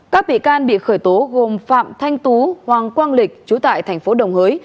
các bị can bị khởi tố gồm phạm thanh tú hoàng quang lịch chú tại thành phố đồng hới